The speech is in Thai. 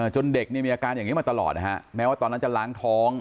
จนเด็กมีอาการอย่างนี้มาตลอดนะฮะแม้ว่าตอนนั้นจะล้างท้อง